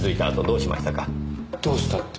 どうしたって？